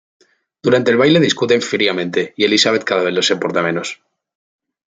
Durante el baile discuten fríamente y Elizabeth cada vez le soporta menos.